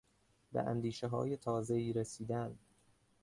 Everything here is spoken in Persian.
به اندیشههای تازهای رسیدن